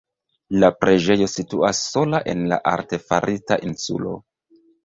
La preĝejo situas sola en artefarita insulo.